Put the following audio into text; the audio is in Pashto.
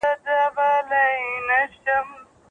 څوک دي نه اوري آهونه